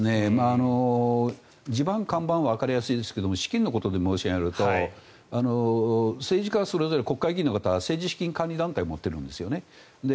地盤、看板はわかりやすいですが資金のことで申し上げると政治家はそれぞれ国会議員の方は政治資金管理団体を持っているんですね。